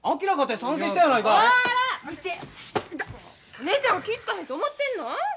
お姉ちゃんが気ぃ付かへんと思ってんの？